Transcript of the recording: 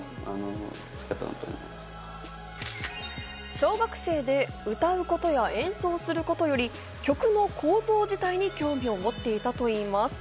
小学生で歌うことや演奏することより曲の構造自体に興味を持っていたといいます。